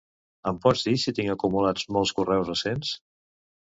Em pots dir si tinc acumulats molts correus recents?